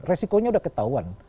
resikonya sudah ketahuan